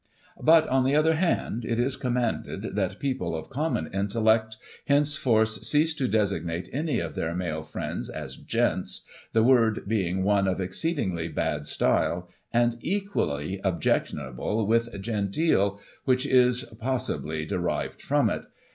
But, on the other hand, it is commanded that people of common intel lect, henceforth cease to designate any of their male friends as " Gents," the word being one of exceedingly bad style, and equally objectionable with "genteel," which is, possibly, de rived from it.